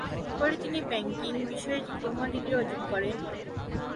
পরে তিনি ব্যাংকিং বিষয়ে ডিপ্লোমা ডিগ্রি অর্জন করেন।